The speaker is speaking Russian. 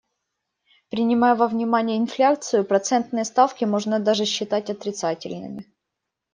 Принимая во внимание инфляцию, процентные ставки можно даже считать отрицательными.